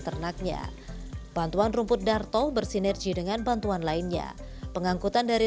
ternaknya bantuan rumput darto bersinergi dengan bantuan lainnya pengangkutan dari